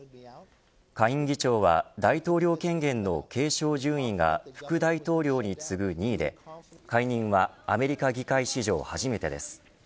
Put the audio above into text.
下院議長は大統領権限の継承順位が副大統領に次ぐ２位で解任はアメリカ議会史上初めてです。